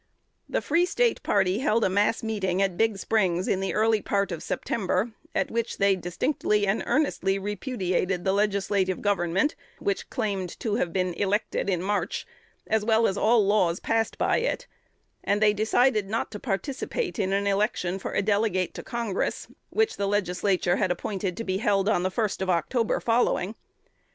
The Free State party held a mass meeting at Big Springs in the early part of September, at which they distinctly and earnestly repudiated the legislative government, which claimed to have been elected in March, as well as all laws passed by it; and they decided not to participate in an election for a delegate to Congress, which the Legislature had appointed to be held on the 1st of October following.